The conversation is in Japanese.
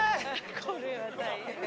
これは大変。